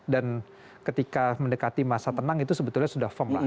dan ketika mendekati masa tenang itu sebetulnya sudah firm lah